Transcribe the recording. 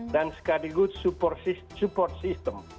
dan sekadigus support system